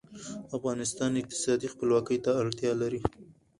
افغانستان اقتصادي خپلواکۍ ته اړتیا لري